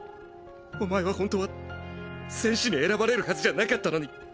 お前は本当は戦士に選ばれるはずじゃなかったのに。